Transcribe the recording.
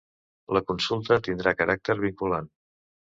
La consulta tindrà caràcter vinculant